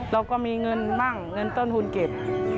เราก็มีเงินมั่งเงินต้นทุนเก็บ